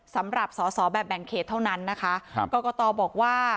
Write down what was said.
สำหรับสอสอแบบแบ่งเขตเท่านั้นนะคะครับกรกตบอกว่า